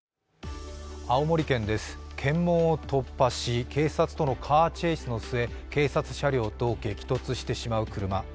青森県で、検問を突破し、警察とのカーチェイスの末に警察車両と激突してしまう車。